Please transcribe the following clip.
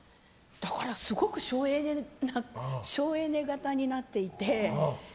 すごく省エネ型になっていて。